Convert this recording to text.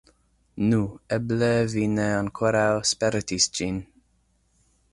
Nu, eble vi ne ankoraŭ spertis ĝin.